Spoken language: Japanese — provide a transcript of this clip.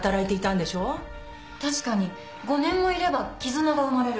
確かに５年もいれば絆が生まれる。